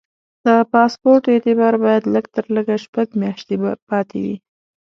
د پاسپورټ اعتبار باید لږ تر لږه شپږ میاشتې پاتې وي.